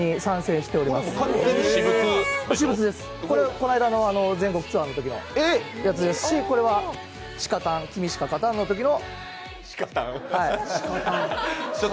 これ、この間の全国ツアーのときですし、これは「しかたん」のときの。